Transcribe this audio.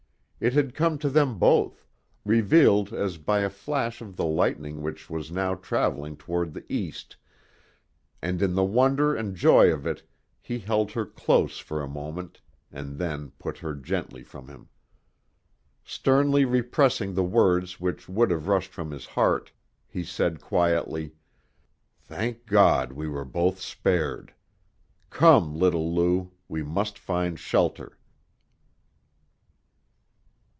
It had come to them both, revealed as by a flash of the lightning which was now traveling toward the east, and in the wonder and joy of it he held her close for a moment and then put her gently from him. Sternly repressing the words which would have rushed from his heart, he said quietly: "Thank God we were both spared. Come, little Lou, we must find shelter."